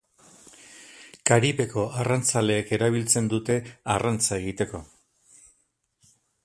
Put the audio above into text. Karibeko arrantzaleek erabiltzen dute arrantza egiteko.